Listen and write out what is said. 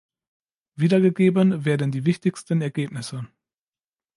Wiedergegeben werden die wichtigsten Ergebnisse.